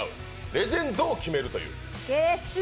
レジェンドを決めるという。